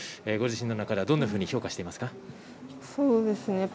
ご自身の中ではどのように評価していますか？